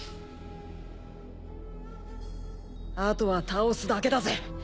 あとは倒すだけだぜ！